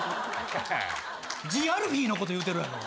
ＴＨＥＡＬＦＥＥのこと言うてるやろ。